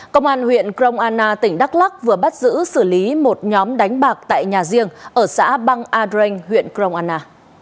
công an huyện cromana tỉnh đắk lắc vừa bắt giữ xử lý một nhóm đánh bạc tại nhà riêng ở xã băng adreng huyện cromana